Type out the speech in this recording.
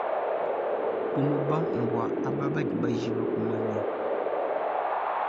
Buloba mbua aba badi bajinga kumanya.